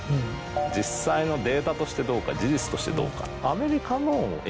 実際のデータとしてどうか事実としてどうか。